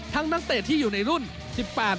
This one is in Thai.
ทั้งนักเตะที่อยู่ในรุ่น